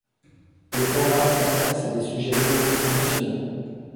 Le programme s'intéresse à des sujets locaux et nationaux.